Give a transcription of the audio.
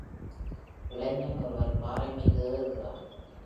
இளைஞன் ஒருவன் பாறை மீது ஏறுகிறான்.